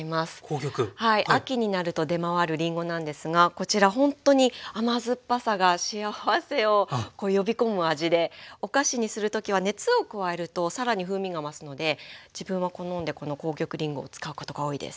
秋になると出回るりんごなんですがこちらほんとに甘酸っぱさが幸せを呼び込む味でお菓子にする時は熱を加えると更に風味が増すので自分は好んでこの紅玉りんごを使うことが多いです。